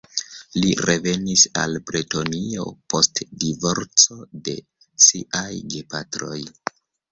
Li revenis al Bretonio post divorco de siaj gepatroj.